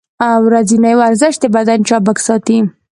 ورځنی ورزش د بدن چابک ساتي.